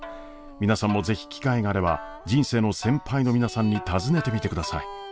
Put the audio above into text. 皆さんも是非機会があれば人生の先輩の皆さんに尋ねてみてください。